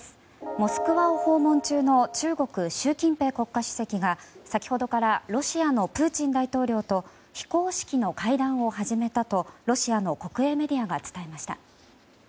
モスクワを訪問中の中国、習近平国家主席が先ほどからロシアのプーチン大統領と非公式の会談を始めたとロシアの国営メディアが伝えました。